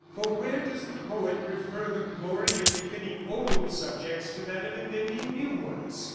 For where does the poet prefer the glory of refitting old subjects to that of inventing new ones?